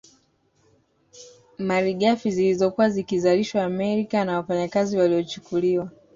Malighafi zilizokuwa zikizalishwa Amerika na wafanyakazi waliochukuliwa